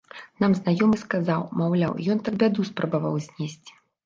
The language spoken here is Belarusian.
Нам знаёмы сказаў, маўляў, ён так бяду спрабаваў знесці.